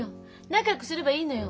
仲よくすればいいのよ。